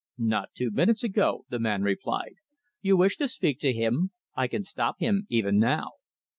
"Not two minutes ago," the man replied. "You wish to speak to him? I can stop him even now."